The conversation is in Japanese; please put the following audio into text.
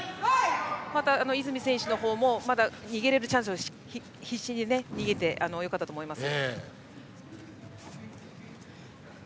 また、泉選手の方も逃げられるチャンスで必死に逃げてよかったと思います。